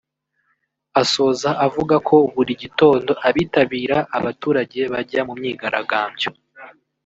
Asoza avuga ko buri gitondo abitabira abaturage bajya mu myigaragambyo